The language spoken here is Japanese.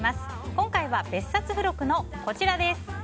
今日は別冊付録のこちらです。